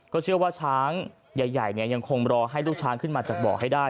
เชื่อว่าช้างใหญ่ยังคงรอให้ลูกช้างขึ้นมาจากบ่อให้ได้